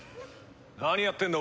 何やってるんだ？